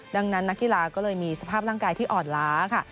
ดังนั้นนักกีฬาก็เลยมีสภาพร่างกายที่อ่อนล้าค่ะ